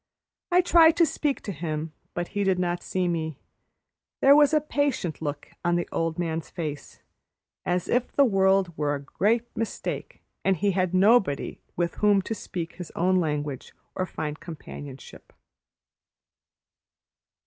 I tried to speak to him, but he did not see me. There was a patient look on the old man's face, as if the world were a great mistake and he had nobody with whom to speak his own language or find companionship.